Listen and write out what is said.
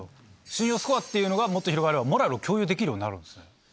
信用スコアっていうのがもっと広がればモラルを共有できるようになるんですね？